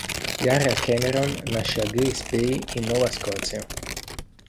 Lara Cameron nasce a Glace Bay in Nuova Scozia.